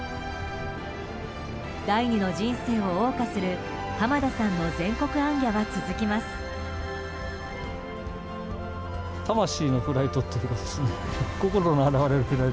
第２の人生を謳歌する濱田さんの全国行脚は続きます。